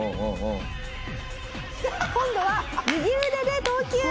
今度は右腕で投球！